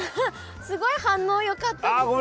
すごい反応よかったです。